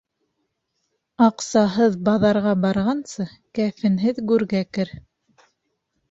Аҡсаһыҙ баҙарға барғансы, кәфенһеҙ гүргә кер.